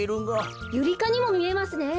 ユリかにもみえますね。